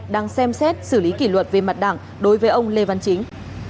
đang xem xét xử lý kỷ luật về mặt đảng đối với ông lê văn chính